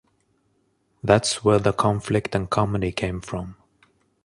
That's where the conflict and comedy came from.